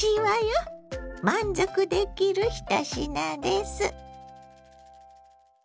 満足できる１品です。